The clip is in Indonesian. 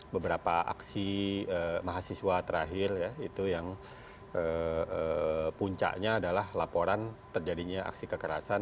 beberapa aksi mahasiswa terakhir ya itu yang puncaknya adalah laporan terjadinya aksi kekerasan